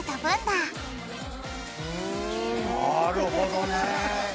なるほどね。